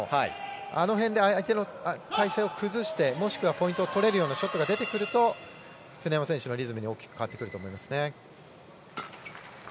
あの辺で相手の体勢を崩してもしくはポイントを取れるようなショットが出てくると常山選手のリズムに大きく変わってくると思います。